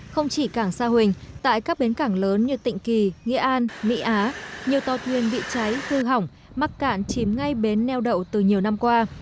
không chỉ cảng sa huỳnh tại các bến cảng lớn như tịnh kỳ nghĩa an mỹ á nhiều tàu thuyền bị cháy hư hỏng mắc cạn chìm ngay bến neo đậu từ nhiều năm qua